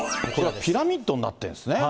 ピラミッドになってるんですね。